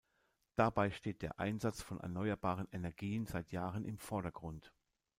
Dabei steht der Einsatz von erneuerbaren Energien seit Jahren im Vordergrund.